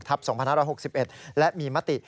๒๕๖๑และมีมติ